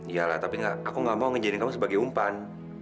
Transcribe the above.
iya lah tapi aku gak mau ngejarin kamu sebagai umpan